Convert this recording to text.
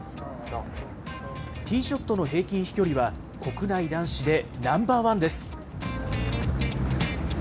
ティーショットの平均飛距離は、国内男子でナンバーワンです。